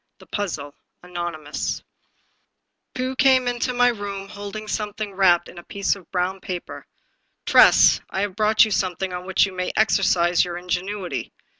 242 The Puzzle The Puzzle I PuGH came into my room holding something wrapped in a piece of brown paper. "Tress, I have brought you something on which you may exercise your ingenuity."